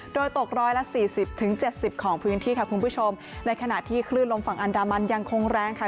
โดยตกร้อยละ๔๐ถึง๗๐ของพื้นที่ค่ะคุณผู้ชมในขณะที่ขลื่นลงฝั่งอัลดามันยังคงแรงค่ะ